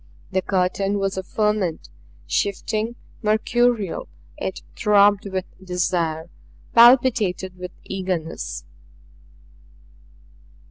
The curtain was a ferment shifting, mercurial; it throbbed with desire, palpitated with eagerness.